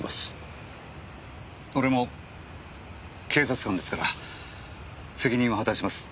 俺も警察官ですから責任は果たします。